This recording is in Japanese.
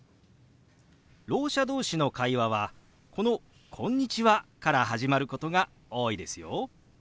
ろう者同士の会話はこの「こんにちは」から始まることが多いですよ。